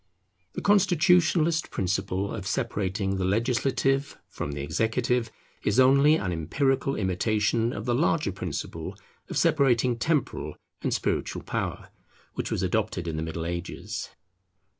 The constitutionalist principle of separating the legislative from the executive is only an empirical imitation of the larger principle of separating temporal and spiritual power, which was adopted in the Middle Ages.